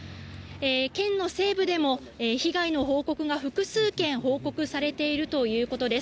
県の西部でも、被害の報告が複数件報告されているということです。